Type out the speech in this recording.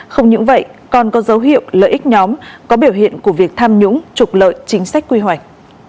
không những vậy còn có dấu hiệu lợi ích nhóm có biểu hiện của việc tham nhũng trục lợi chính sách quy hoạch